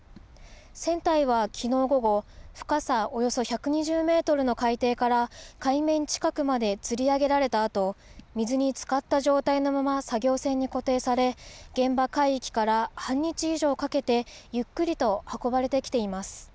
船体はきのう午後、深さおよそ１２０メートルの海底から、海面近くまでつり上げられたあと、水につかった状態のまま、作業船に固定され、現場海域から半日以上かけて、ゆっくりと運ばれてきています。